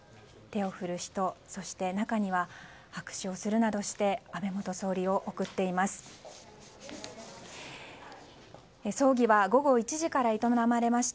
手を振る人、そして中には拍手をするなどして安倍元総理を送っています。